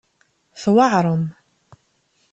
Tweɛrem.